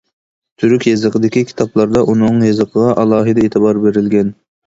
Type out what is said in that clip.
تۈرك يېزىقىدىكى كىتابلاردا ئۇنىڭ يېزىقىغا ئالاھىدە ئېتىبار بېرىلگەن.